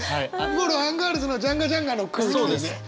もろアンガールズのジャンガジャンガの空気だよね。